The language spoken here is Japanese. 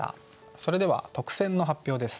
それでは特選の発表です。